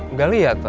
nggak lihat pak